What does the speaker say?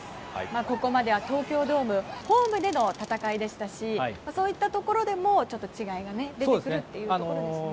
ここまでは、東京ドームホームでの戦いでしたしそういったところでも、違いが出てくるかもしれませんね。